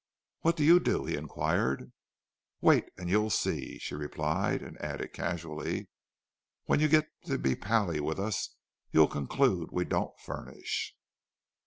"What do you do?" he inquired. "Wait and you'll see," replied she; and added, casually, "When you get to be pally with us, you'll conclude we don't furnish."